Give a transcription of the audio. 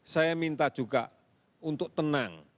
saya minta juga untuk tenang